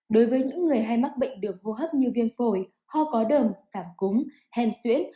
đối với những người hay mắc bệnh được vô hấp như viêm phổi ho có đờm cảm cúm hèn xuyến